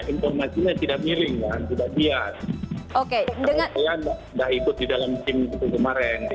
informasinya tidak miring dan sudah bias oke dengan saya enggak ikut di dalam tim kemarin